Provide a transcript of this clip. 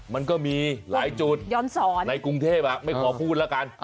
มันก็มีหลายจุดย้อนสอนในกรุงเทพไม่ขอพูดแล้วกัน